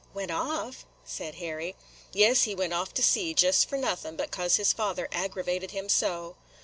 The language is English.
"Went off?" said Harry. "Yes, he went off to sea, jest for nothin' but 'cause his father aggravated him so."